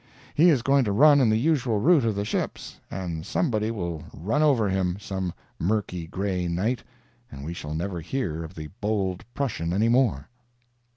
He is going to run in the usual route of the ships, and somebody will run over him some murky gray night, and we shall never hear of the bold Prussian anymore.